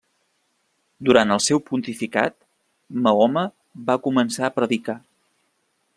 Durant el seu pontificat, Mahoma va començar a predicar.